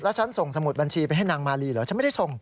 ฉันส่งสมุดบัญชีไปให้นางมาลีเหรอฉันไม่ได้ส่ง